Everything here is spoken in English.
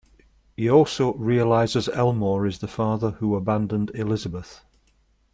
He also realizes Elmore is the father who abandoned Elizabeth.